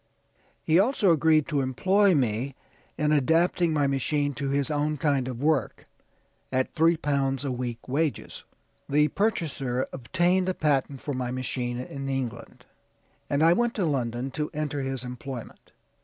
He also agreed to employ me in adapting my machine to his own kind of work at three pounds a week wages." "The purchaser obtained a patent for my machine in England, and I went to London to enter his employment.